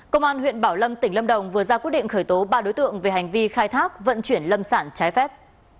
công an huyện bảo lâm tỉnh lâm đồng vừa ra quyết định khởi tố ba đối tượng về hành vi khai thác vận chuyển lâm sản trái phép